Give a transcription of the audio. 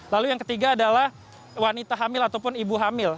lalu yang ketiga adalah wanita hamil ataupun ibu hamil